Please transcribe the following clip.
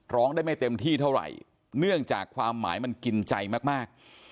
ร้องได้ไม่เต็มที่เท่าไหร่เนื่องจากความหมายมันกินใจมากมาก